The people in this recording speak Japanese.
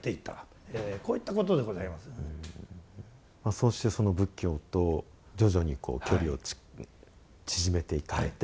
そうしてその仏教と徐々にこう距離を縮めていかれて。